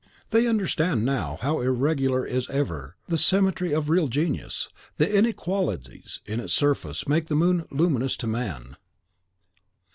They understand now how irregular is ever the symmetry of real genius. The inequalities in its surface make the moon luminous to man.